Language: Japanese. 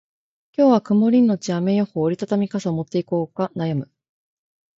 今日は曇りのち雨予報。折り畳み傘を持っていこうか悩む。